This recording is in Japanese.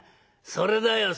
それだよ